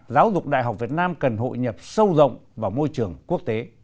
giáo dục đại học việt nam cần hỗ trợ